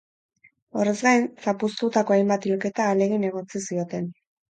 Horrez gain, zapuztutako hainbat hilketa ahalegin egotzi zioten.